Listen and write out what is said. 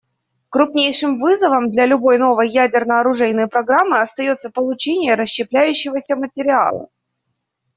Крупнейшим вызовом для любой новой ядерно-оружейной программы остается получение расщепляющегося материала.